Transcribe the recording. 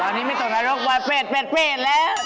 ตอนนี้ไม่ตกในโรคบอยเป็นแล้ว